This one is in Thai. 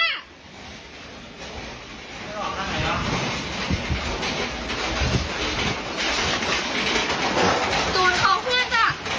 ไอ้แจ๊กไอ้เบนด้า